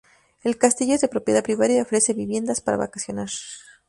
El castillo es de propiedad privada y ofrece viviendas para vacacionar.